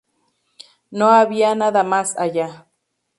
No había nada más allá.